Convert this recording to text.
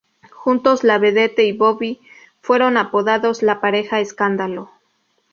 Juntos, la vedette y Bobby fueron apodados "la pareja escándalo".